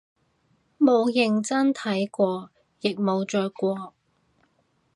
冇認真睇過亦冇着過